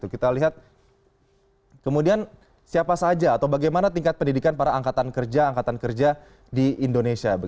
kita lihat kemudian siapa saja atau bagaimana tingkat pendidikan para angkatan kerja angkatan kerja di indonesia